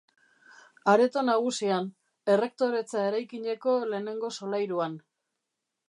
Areto nagusian, errektoretza eraikineko lehenengo solairuan.